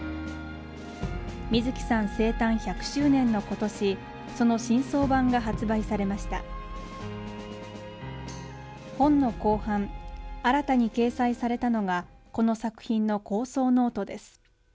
水木さん生誕１００周年のことしその新装版が発売されました本の後半新たに掲載されたのがこの作品の構想ノートです